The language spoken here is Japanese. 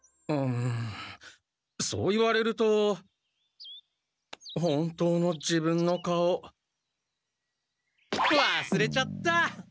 んそう言われると本当の自分の顔わすれちゃった！